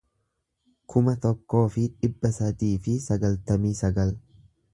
kuma tokkoo fi dhibba sadii fi sagaltamii sagal